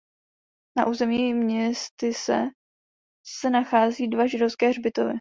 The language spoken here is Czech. Na území městyse se nachází dva židovské hřbitovy.